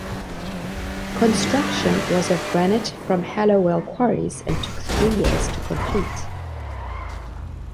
Construction was of granite from Hallowell quarries and took three years to complete.